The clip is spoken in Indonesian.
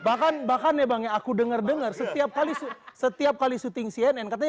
bahkan bahkan ya bang ya aku dengar dengar setiap kali setiap kali syuting cnn katanya